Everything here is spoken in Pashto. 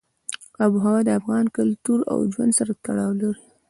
آب وهوا د افغان کلتور او ژوند سره تړاو لري.